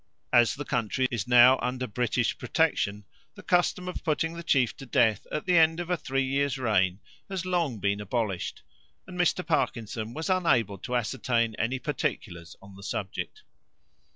As the country is now under British protection the custom of putting the chief to death at the end of a three years' reign has long been abolished, and Mr. Parkinson was unable to ascertain any particulars on the subject.